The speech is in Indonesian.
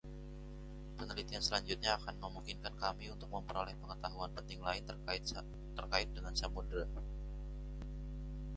Penelitian selanjutnya akan memungkinkan kami untuk memperoleh pengetahuan penting lain terkait dengan samudra.